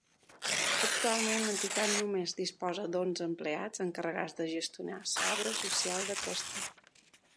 Actualment l'entitat només disposa d'onze empleats, encarregats de gestionar l'obra social d'aquesta.